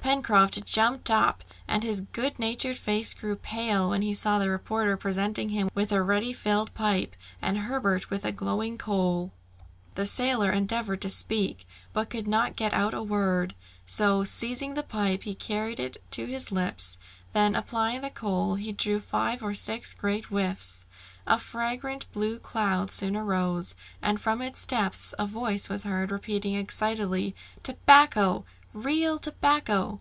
Pencroft jumped up, and his great good natured face grew pale when he saw the reporter presenting him with a ready filled pipe, and Herbert with a glowing coal. The sailor endeavoured to speak, but could not get out a word, so, seizing the pipe, he carried it to his lips, then applying the coal, he drew five or six great whiffs. A fragrant blue cloud soon arose, and from its depths a voice was heard repeating excitedly, "Tobacco! real tobacco!"